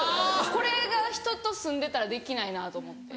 これが人と住んでたらできないなと思って。